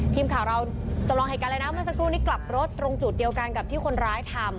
ทีมข่าวเราจำลองเหตุการณ์เลยนะเมื่อสักครู่นี้กลับรถตรงจุดเดียวกันกับที่คนร้ายทำ